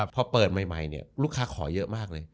พอเปิดใหม่ลูกค้าขอเยอะมากเลย